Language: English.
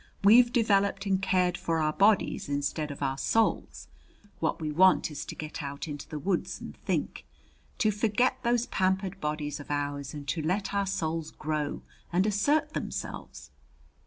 We've developed and cared for our bodies instead of our souls. What we want is to get out into the woods and think; to forget those pampered bodies of ours and to let our souls grow and assert themselves."